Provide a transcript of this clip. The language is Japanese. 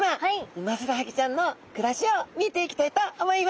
ウマヅラハギちゃんのくらしを見ていきたいと思います！